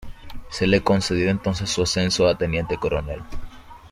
Se le concedió entonces su ascenso a teniente coronel.